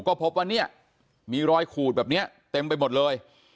ก็พบว่าเนี่ยมีรอยขูดแบบนี้เต็มไปหมดเลย